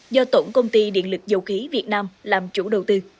do tổng công ty điện lực dầu khí việt nam làm chủ đầu tư